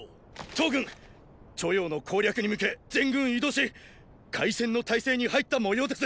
騰軍“著雍”の攻略に向け全軍移動し開戦の態勢に入ったもようです！！